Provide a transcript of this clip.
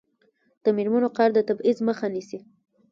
د میرمنو کار د تبعیض مخه نیسي.